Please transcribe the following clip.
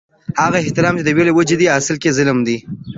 هغه احترام چې د وېرې له وجې وي، اصل کې ظلم دي